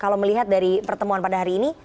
kalau melihat dari pertemuan pada hari ini